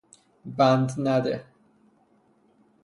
بند نده